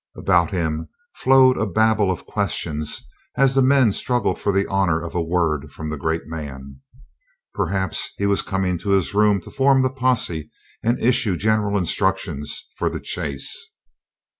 About him flowed a babble of questions as the men struggled for the honor of a word from the great man. Perhaps he was coming to his room to form the posse and issue general instructions for the chase.